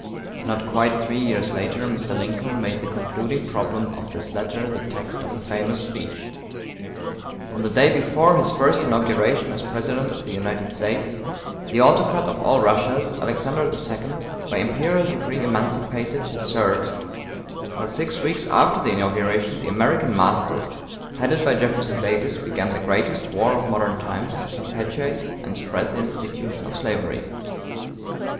Not quite three years later Mr. Lincoln made the concluding problem of this letter the text of a famous speech. On the day before his first inauguration as President of the United States, the "Autocrat of all the Russias," Alexander II, by imperial decree emancipated his serfs; while six weeks after the inauguration the "American masters," headed by Jefferson Davis, began the greatest war of modern times to perpetuate and spread the institution of slavery.